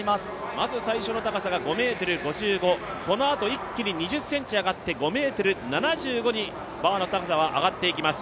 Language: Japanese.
まず最初の高さが５ｍ５５、このあと一気に２０ｃｍ上がって、５ｍ７５にバーの高さは上がっていきます。